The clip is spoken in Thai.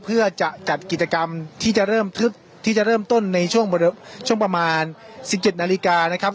เพื่อจะจัดกิจกรรมที่จะเริ่มทึกที่จะเริ่มต้นในช่วงประมาณ๑๗นาฬิกานะครับ